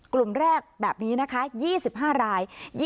กลุ่มแรกแบบนี้นะคะ๒๕ราย